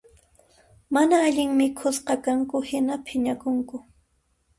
Mana allin mikhusqakanku hina phiñakunku